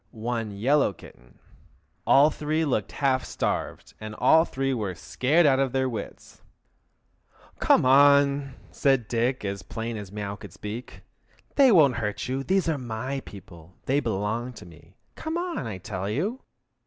One yellow kitten. All three looked half starved, and all three were scared out of their wits! "Come on!" said Dick, as plain as mew could speak. "They won't hurt you; those are my people: they belong to me. Come on, I tell you!"